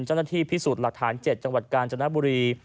เจ้าหน้าที่พิสูจน์หลักฐาน๗จังหวัดกาญจนบุรี